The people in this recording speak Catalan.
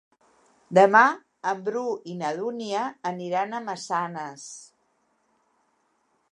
Demà en Bru i na Dúnia aniran a Massanes.